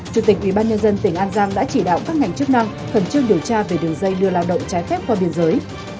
chủ tịch ubnd tỉnh an giang đã chỉ đạo các ngành chức năng khẩn trương điều tra về đường dây đưa lao động trái phép qua biên giới